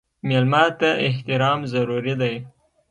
مېلمه ته احترام ضروري دی.